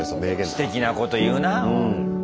すてきなこと言うなあ！